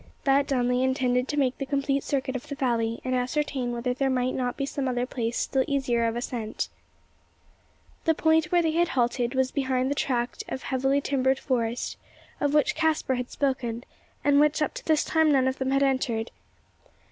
That done, they intended to make the complete circuit of the valley, and ascertain whether there might not be some other place still easier of ascent. The point where they had halted was behind the tract of heavily timbered forest of which Caspar had spoken, and which up to this time none of them had entered.